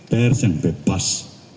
pers yang bebas